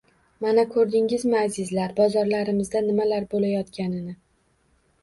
–Mana ko‘rdingizmi, azizlar, bozorlarimizda nimalar bo‘layotganini!